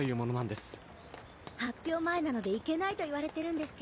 発表前なのでいけないと言われてるんですけど。